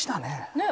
ねえ。